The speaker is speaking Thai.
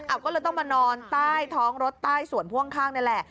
ก็เลยต้องมานอนใต้ท้องรถใต้ส่วนพ่วงข้างนี่แหละ